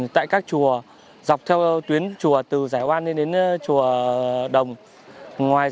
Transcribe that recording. tại các chùa dọc theo tuyến chùa từ giải oan đến chùa đồng